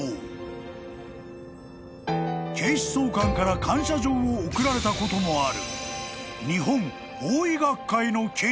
［警視総監から感謝状を贈られたこともある日本］